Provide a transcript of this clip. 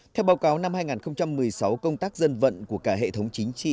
theo báo cáo năm hai nghìn một mươi sáu công tác dân vận của cả hệ thống chính trị